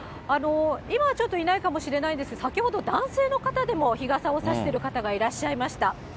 今、ちょっといないかもしれないんですが、先ほど、男性の方でも日傘を差してる方がいらっしゃいました。